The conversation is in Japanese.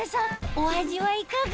お味はいかが？